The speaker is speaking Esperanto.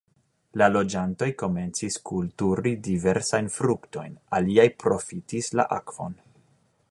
La loĝantoj komencis kulturi diversajn fruktojn, aliaj profitis la akvon.